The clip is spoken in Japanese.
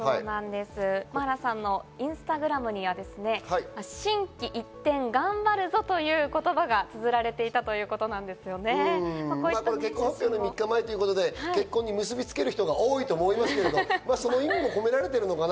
茉愛羅さんのインスタグラムには、心機一転、頑張るぞという言葉がつづられていたということなんで結婚発表の３日前ということで結婚に結びつける人が多いと思いますけど、その意味も込められているのかな？